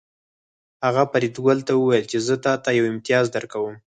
هغه فریدګل ته وویل چې زه تاته یو امتیاز درکوم